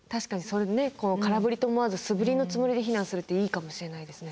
空振りと思わず素振りのつもりで避難するっていいかもしれないですね。